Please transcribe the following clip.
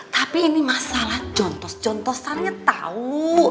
tapi isi masalah contos contosannya tau